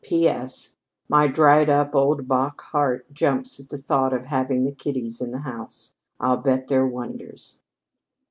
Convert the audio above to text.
"P.S. My dried up old bach heart jumps at the thought of having the kiddies in the house. I'll bet they're wonders."